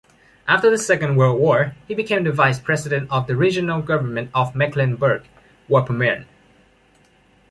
After the Second World War, he became the Vice President of the Regional Government of Mecklenburg-Vorpommern.